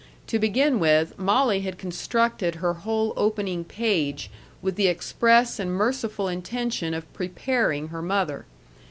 To begin with, Molly had constructed her whole opening page with the express and merciful intention of preparing her mother.